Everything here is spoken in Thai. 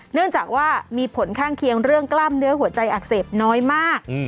เนื่องจากว่ามีผลข้างเคียงเรื่องกล้ามเนื้อหัวใจอักเสบน้อยมาก